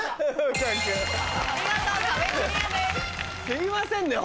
すいませんね